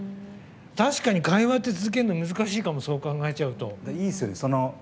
確かに会話って続けるの難しいかも、そう考えちゃうと。